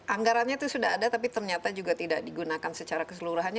anggarannya itu sudah ada tapi ternyata juga tidak digunakan secara keseluruhannya